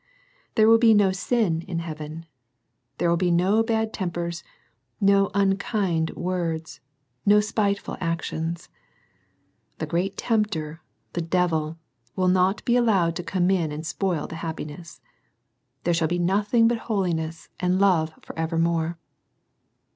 There will be no sin in heaven. There will be no bad tempers, no unkind words, no spiteful actions. The great tempter, the devil, will not be allowed to come in and spoil the happiness. There shall be nothing but holiness and love for evermore.